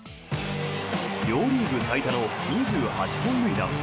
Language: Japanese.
両リーグ最多の２８本塁打。